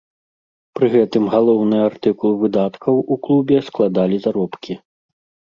Пры гэтым галоўны артыкул выдаткаў у клубе складалі заробкі.